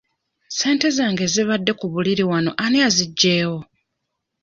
Ssente zange ezibadde ku buliri wano ani aziggyewo?